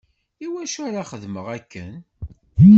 Iwacu ara xedmeɣ akken?